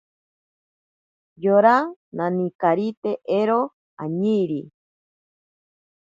Yora maninakarite ero añiiri.